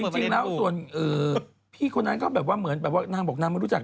จริงแล้วส่วนพี่คนนั้นก็แบบว่าเหมือนแบบว่านางบอกนางไม่รู้จัก